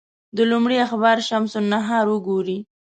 د لومړي اخبار شمس النهار وګوري.